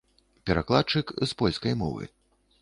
Перакладчык з польскай мовы.